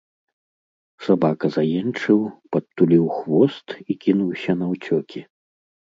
Сабака заенчыў, падтуліў хвост і кінуўся наўцёкі.